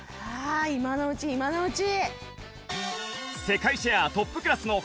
今のうち今のうち！